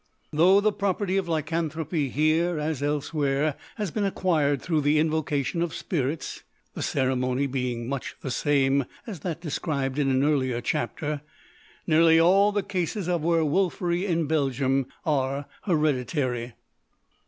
Though the property of lycanthropy here as elsewhere has been acquired through the invocation of spirits the ceremony being much the same as that described in an earlier chapter nearly all the cases of werwolfery in Belgium are hereditary.